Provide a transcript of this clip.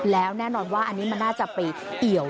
แล้วแน่นอนว่าอันนี้มันน่าจะไปเอี่ยว